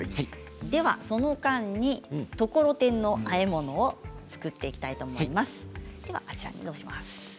ではその間にところてんのあえ物を作っていきたいと思います。